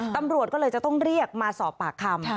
ตำรวจก็เลยจะต้องเรียกมาสอบปากคำ